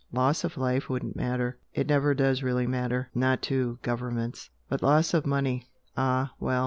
Loss of life wouldn't matter, it never does really matter not to governments! but loss of money ah, well!